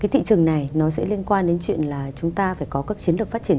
thị trường này nó sẽ liên quan đến chuyện là chúng ta phải có các chiến lược phát triển